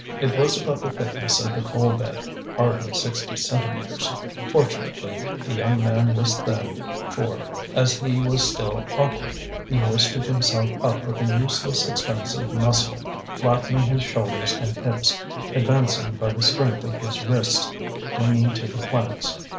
It was about the thickness of the coal bed, hardly sixty centimetres. Fortunately the young man was thin, for, as he was still awkward, he hoisted himself up with a useless expense of muscle, flattening his shoulders and hips, advancing by the strength of his wrists, clinging to the planks.